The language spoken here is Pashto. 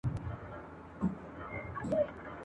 بیرته لیري له تلک او له دانې سو ..